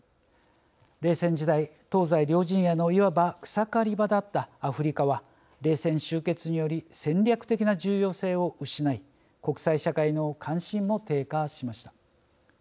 冷戦時代、東西両陣営のいわば草刈り場だったアフリカは冷戦終結により戦略的な重要性を失い国際社会の関心も低下しました。